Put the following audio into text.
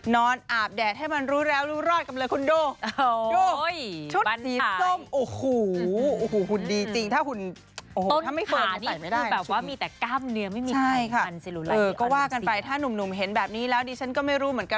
นอนอาบแดดให้มันรู้แล้วรอดกันเลยคุณโด